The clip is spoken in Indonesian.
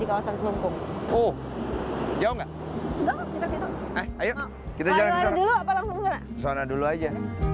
ke sana dulu aja